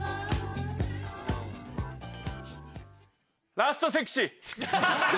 ラストセクシー。